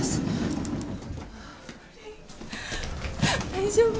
大丈夫？